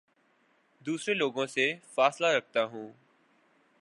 دوسرے لوگوں سے فاصلہ رکھتا ہوں